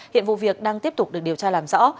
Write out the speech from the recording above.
hiện vụ việc đang tiếp tục được điều tra làm rõ